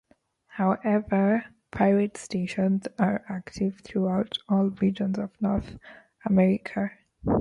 However, pirate stations are active throughout all regions of North America.